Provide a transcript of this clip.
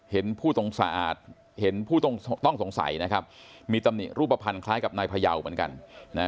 ผู้ต้องสะอาดเห็นผู้ต้องสงสัยนะครับมีตำหนิรูปภัณฑ์คล้ายกับนายพยาวเหมือนกันนะ